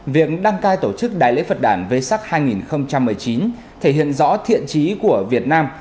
việc đăng cai tổ chức đại lễ phật đàn vê sắc hai nghìn một mươi chín thể hiện rõ thiện trí của việt nam